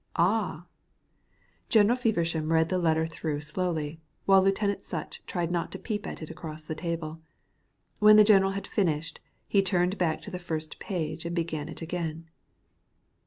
"Ah!" General Feversham read the letter through slowly, while Lieutenant Sutch tried not to peep at it across the table. When the general had finished he turned back to the first page, and began it again.